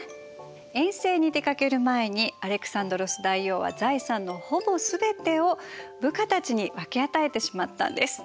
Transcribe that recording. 遠征に出かける前にアレクサンドロス大王は財産のほぼすべてを部下たちに分け与えてしまったんです。